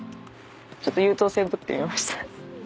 ちょっと優等生ぶってみました。